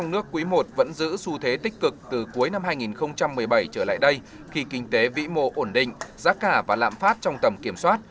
nước quý i vẫn giữ xu thế tích cực từ cuối năm hai nghìn một mươi bảy trở lại đây khi kinh tế vĩ mô ổn định giá cả và lạm phát trong tầm kiểm soát